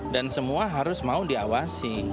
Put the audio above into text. dan semua harus mau diawasi